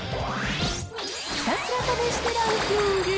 ひたすら試してランキング。